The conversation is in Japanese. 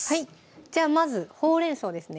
じゃあまずほうれん草ですね